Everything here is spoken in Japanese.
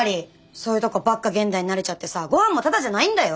そういうとこばっか現代に慣れちゃってさごはんもタダじゃないんだよ！